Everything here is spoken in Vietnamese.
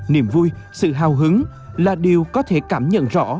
niềm vui sự hào hứng là điều có thể cảm nhận rõ